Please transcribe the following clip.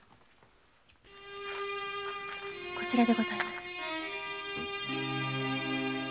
あちらでございます。